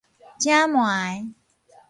汫糜